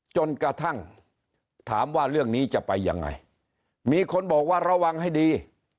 จนกระทั่งถามว่าเรื่องนี้จะไปยังไงมีคนบอกว่าระวังให้ดี